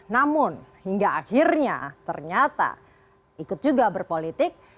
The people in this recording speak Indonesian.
namun hingga akhirnya ternyata ikut juga berpolitik